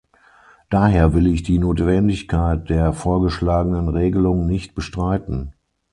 Daher will ich die Notwendigkeit der vorgeschlagenen Regelung nicht bestreiten.